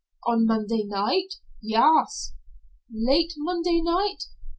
"On Monday night?" "Yas." "Late Monday night?"